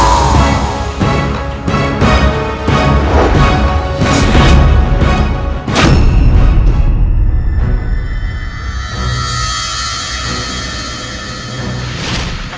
tidak ada yang bisa membalas dendam kepada